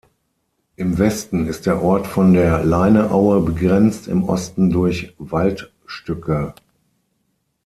Im Westen ist der Ort von der Leineaue begrenzt, im Osten durch Waldstücke.